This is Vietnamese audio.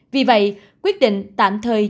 vì vậy quyết định tạm thời